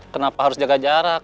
kenapa harus jaga jarak